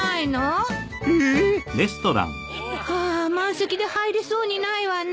ああ満席で入れそうにないわね。